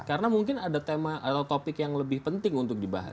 karena mungkin ada topik yang lebih penting untuk dibahas